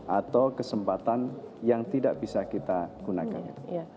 atau kesempatan yang tidak bisa kita gunakan